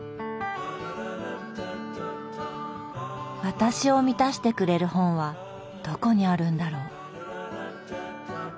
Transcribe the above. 私を満たしてくれる本はどこにあるんだろう。